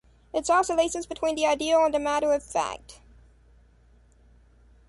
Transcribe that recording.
Its oscillations between the ideal and the matter-of-fact.